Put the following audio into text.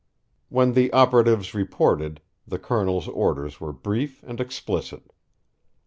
When the operatives reported, the Colonel's orders were brief and explicit.